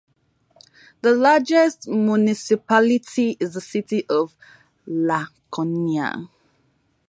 The largest municipality is the city of Laconia.